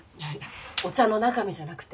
お茶の中身じゃなくてこの缶。